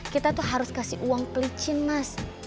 kita tuh harus kasih uang pelicin mas